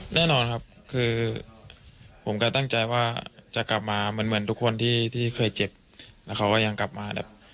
แน่นอนครับคือผมก็ตั้งใจว่าจะกลับมาเหมือนทุกคนที่เคยเจ็บแล้วเขาก็ยังกลับมาแบบ